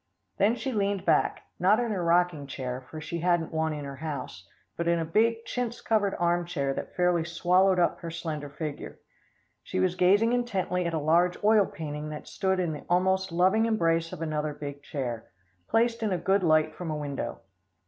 Then she leaned back not in her rocking chair, for she hadn't one in her house but in a big chintz covered arm chair that fairly swallowed up her slender figure. She was gazing intently at a large oil painting that stood in the almost loving embrace of another big chair, placed in a good light from a window.